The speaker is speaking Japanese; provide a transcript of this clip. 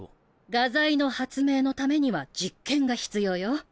画材の発明のためには実験が必要よ。